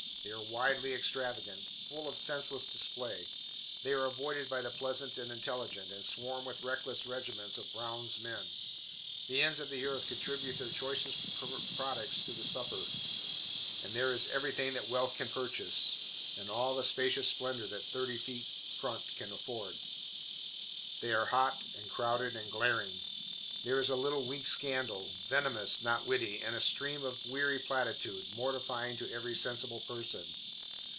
They are wildly extravagant, full of senseless display; they are avoided by the pleasant and intelligent, and swarm with reckless regiments of "Brown's men." The ends of the earth contribute their choicest products to the supper, and there is everything that wealth can purchase, and all the spacious splendor that thirty feet front can afford. They are hot, and crowded, and glaring. There is a little weak scandal, venomous, not witty, and a stream of weary platitude, mortifying to every sensible person.